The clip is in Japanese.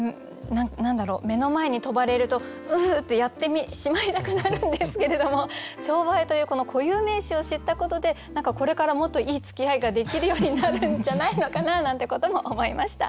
何だろう目の前に飛ばれると「うう！」ってやってしまいたくなるんですけれどもチョウバエというこの固有名詞を知ったことで何かこれからもっといいつきあいができるようになるんじゃないのかななんてことも思いました。